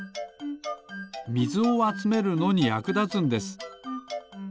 みずをあつめるのにやくだつんです。